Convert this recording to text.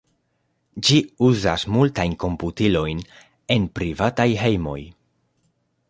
Ĝi uzas multajn komputilojn en privataj hejmoj.